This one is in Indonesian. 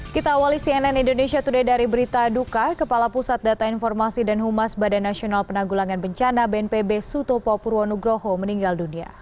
kita awali cnn indonesia today dari berita duka kepala pusat data informasi dan humas badan nasional penanggulangan bencana bnpb sutopo purwonugroho meninggal dunia